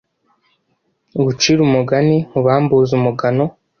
Ngucire umugani nkubambuze umugano